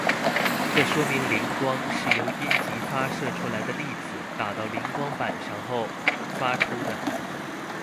这说明磷光是由阴极发射出来的粒子打到磷光板上后发出的。